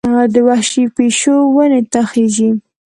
وحشي پیشو ونې ته خېژي.